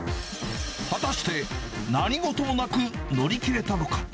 果たして何事もなく乗り切れたのか。